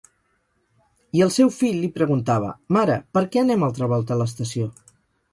I el seu fill li preguntava: mare, per què anem altra volta a l’estació?